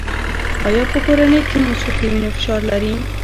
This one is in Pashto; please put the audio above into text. ایا په کورنۍ کې مو څوک د وینې فشار لري؟